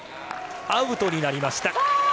アウトになりました。